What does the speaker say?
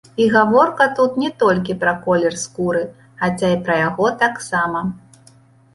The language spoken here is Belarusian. І гаворка тут не толькі пра колер скуры, хаця і пра яго таксама.